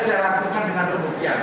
saya langsungkan dengan pembuktian